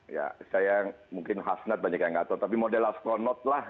ya saya mungkin hasmat banyak yang tidak tahu tapi model astronot lah